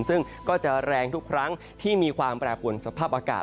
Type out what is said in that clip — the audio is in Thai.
ซึ่งก็จะแรงทุกครั้งที่มีความแปรปวนสภาพอากาศ